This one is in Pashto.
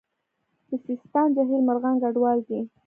د سیستان جهیل مرغان کډوال دي